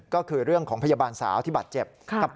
ก็คือเรื่องของพยาบาลสาวที่บาดเจ็บ